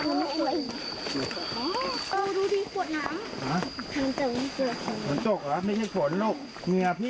เอาให้เด็กกินนะนุ๊บ